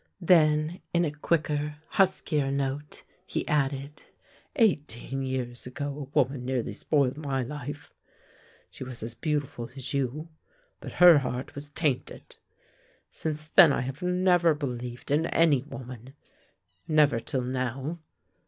Then in a quicker, huskier note he added: " Eighteen years ago a woman nearly spoiled my life. She was as beautiful as you, but her heart was tainted. Since then I hav6 never believed in any woman — never till now.